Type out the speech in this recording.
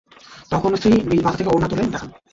তখন স্ত্রী নিজ মাথা থেকে ওড়না তুলে দেখান।